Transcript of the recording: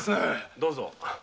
どうぞ。